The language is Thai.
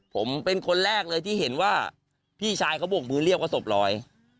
ผมเป็นคนแรกเลยที่เห็นว่าพี่ชายเขาบกมือเรียกว่าศพลอย